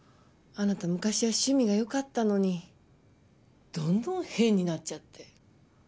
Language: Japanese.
あなた昔は趣味がよかったのにどんどん変になっちゃって。